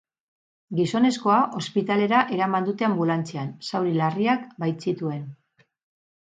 Gizonezkoa ospitalera eraman dute anbulantzian, zauri larriak baitzituen.